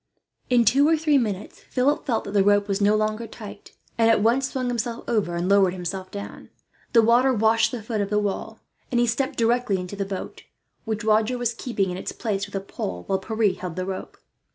In two or three minutes Philip felt that the rope was no longer tight, and at once swung himself over and lowered himself down. The water washed the foot of the wall, and he stepped directly into the boat; which Roger was keeping in its place with a pole, while Pierre held the rope.